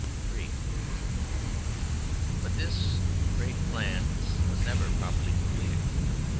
III But this great plan was never properly completed.